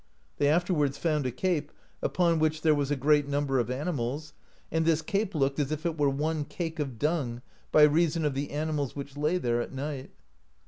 They afterwards found a cape, upon which there was a great number of animals, and this cape looked as if it were one cake of dung, by reason of the animals which lay there at night.